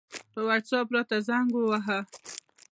په وټساپ راته زنګ ووهه